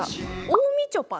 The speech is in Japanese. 「大みちょぱ」。